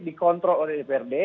dikontrol oleh dprd